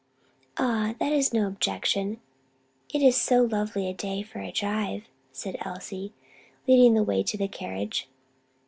"Ah, that is no objection; it is so lovely a day for a drive," said Elsie, leading the way to the carriage.